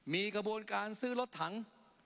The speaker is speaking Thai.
มีกระบวนการซื้อรถถัง